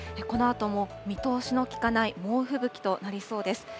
このあとも見通しの利かない猛吹雪となりそうです。